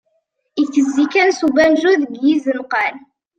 Itezzi kan s ubanju deg izenqan.